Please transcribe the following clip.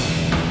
ya udah yaudah